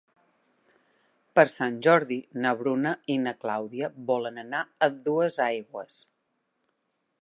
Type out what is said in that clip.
Per Sant Jordi na Bruna i na Clàudia volen anar a Duesaigües.